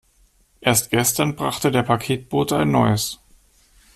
Erst gestern brachte der Paketbote ein neues.